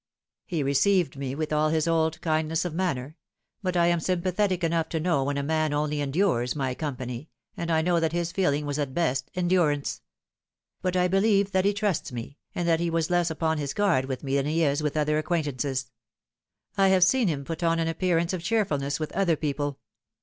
He received me with all his old kindness of manner ; but I am sympathetic enough to know when a man only endures my company, and I know that his feeling was at best endurance. But I believe that he trusts me, and that he was less upon his guard with me than he is with other acquaintances. I have seen him put on an appearance of cheerfulness with other people.